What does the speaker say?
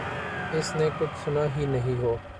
اس نے کچھ سنا ہی نہیں ہو۔